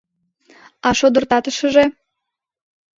— А шодыртатышыже?